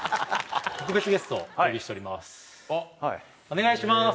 お願いします！